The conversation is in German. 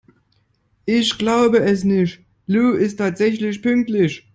Ich glaube es nicht, Lou ist tatsächlich pünktlich!